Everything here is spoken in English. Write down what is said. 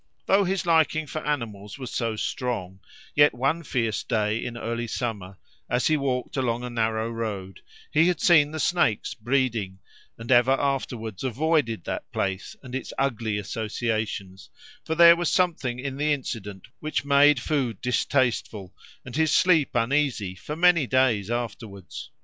Though his liking for animals was so strong, yet one fierce day in early summer, as he walked along a narrow road, he had seen the snakes breeding, and ever afterwards avoided that place and its ugly associations, for there was something in the incident which made food distasteful and his sleep uneasy for many days afterwards.